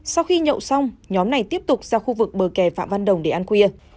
sau khi nhậu xong nhóm này tiếp tục ra khu vực bờ kè phạm văn đồng để ăn khuya